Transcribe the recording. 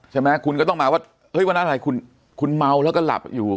ใช่ไหมคุณก็ต้องมาว่าเฮ้ยวันนั้นอะไรคุณเมาแล้วก็หลับอยู่